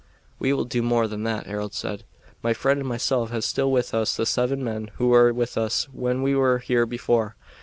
"We will do more, than that," Harold said. "My friend and myself have still with us the seven men who were with us when we were here before.